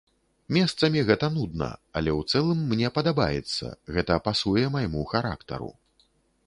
Месцамі гэта нудна, але ў цэлым мне падабаецца, гэта пасуе майму характару.